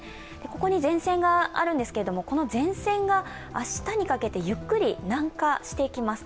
ここに前線があるんですけどこの前線が明日にかけてゆっくり南下していきます。